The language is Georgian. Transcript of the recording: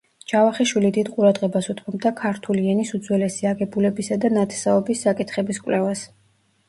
ჯავახიშვილი დიდ ყურადღებას უთმობდა ქართული ენის უძველესი აგებულებისა და ნათესაობის საკითხების კვლევას.